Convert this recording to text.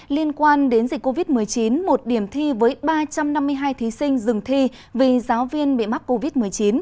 liên quan đến dịch covid một mươi chín một điểm thi với ba trăm năm mươi hai thí sinh dừng thi vì giáo viên bị mắc covid một mươi chín